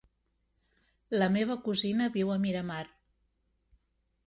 La meva cosina viu a Miramar.